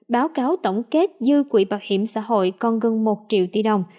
báo cáo tổng kết dư quỹ bảo hiểm xã hội còn gần một triệu tỷ đồng